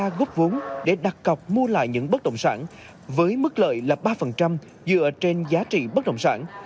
góp vốn để đặt cọc mua lại những bất động sản với mức lợi là ba dựa trên giá trị bất động sản